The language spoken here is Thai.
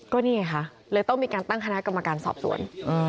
ก็นี่ไงคะเลยต้องมีการตั้งคณะกรรมการสอบสวน